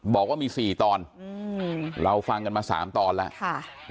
บอกว่ามี๔ตอนเราฟังกันมา๓ตอนแล้ว